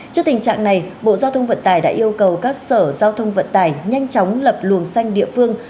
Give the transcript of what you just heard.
trước tình trạng này bộ giao thông vận tải đã yêu cầu các sở giao thông vận tải nhanh chóng lập luồng xanh địa phương